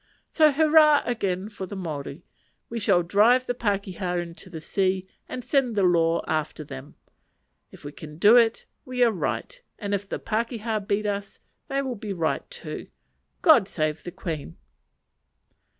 So hurrah again for the Maori! We shall drive the pakeha into the sea, and send the Law after them! If we can do it, we are right; and if the pakeha beat us, they will be right too. God save the Queen!